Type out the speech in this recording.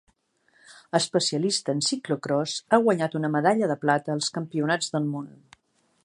Especialista en ciclocròs, ha guanyat una medalla de plata als Campionats del món.